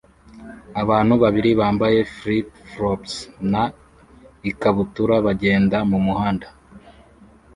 Abantu babiri bambaye flip-flops na ikabutura bagenda mumuhanda